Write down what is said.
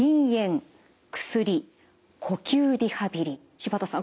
柴田さん